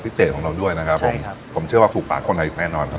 ของเราด้วยนะครับผมครับผมผมเชื่อว่าถูกปากคนไทยแน่นอนครับ